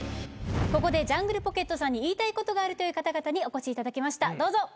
ここでジャングルポケットさんに言いたいことがある方々にお越しいただきましたどうぞ。